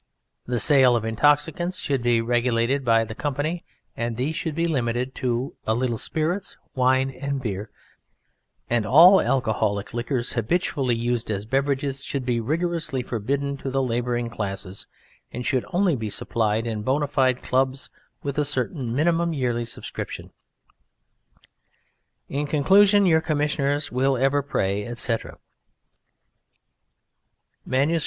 The sale of Intoxicants should be regulated by the Company, and these should be limited to a little spirits: wine and beer and all alcoholic liquors habitually used as beverages should be rigorously forbidden to the labouring classes, and should only be supplied in bona fide clubs with a certain minimum yearly subscription. IN CONCLUSION your Commissioners will ever pray, etc. MS.